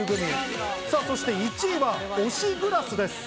そして１位は推しグラスです。